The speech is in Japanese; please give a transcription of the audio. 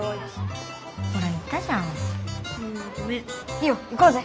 いいよ行こうぜ！